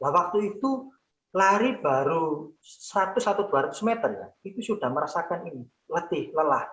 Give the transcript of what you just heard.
waktu itu lari baru seratus atau dua ratus meter ya itu sudah merasakan ini letih lelah